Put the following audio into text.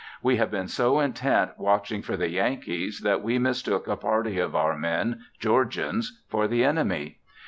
We have been so intent watching for the Yankees that we mistook a party of our men, Georgians, for the enemy.